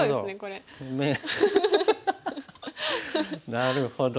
なるほど！